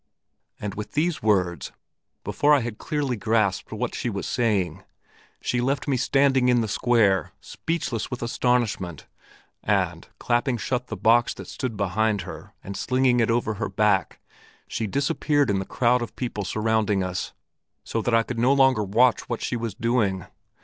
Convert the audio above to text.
And with these words, before I had clearly grasped what she was saying, she left me standing in the square, speechless with astonishment, and, clapping shut the box that stood behind her and slinging it over her back, she disappeared in the crowd of people surrounding us, so that I could no longer watch what she was doing.